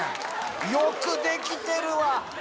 よくできてるわ。